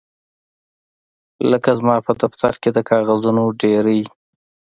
لکه زما په دفتر کې د کاغذونو ډیرۍ